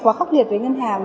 quá khốc liệt với ngân hàng